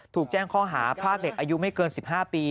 ถูกแจ้งข้อหาพรากเด็กอายุไม่เกิน๑๕ปี